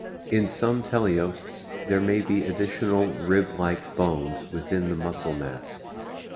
In some teleosts, there may be additional rib-like bones within the muscle mass.